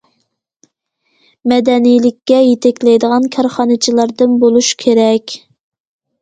مەدەنىيلىككە يېتەكلەيدىغان كارخانىچىلاردىن بولۇش كېرەك.